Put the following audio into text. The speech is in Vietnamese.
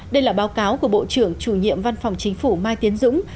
đây là báo cáo của bộ trưởng chủ nhiệm văn phòng chính phủ mai tiến dũng